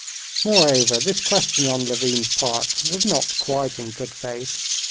Moreover, this question on Levin's part was not quite in good faith.